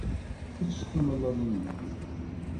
Ečč timellalin-nni.